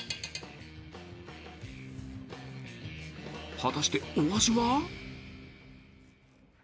［果たしてお味は？］